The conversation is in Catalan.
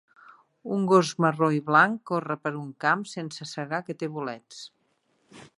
Un gos marró i blanc corre per un camp sense segar que té bolets.